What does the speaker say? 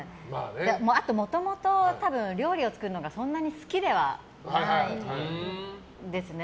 あと、もともと料理を作るのがそんなに好きではないんですね。